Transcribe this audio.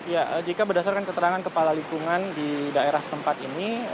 ya jika berdasarkan keterangan kepala lingkungan di daerah setempat ini